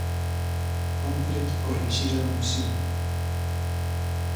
Cómpre corrixir a omisión.